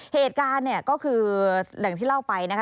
เหตุการณ์เนี่ยก็คืออย่างที่เล่าไปนะคะ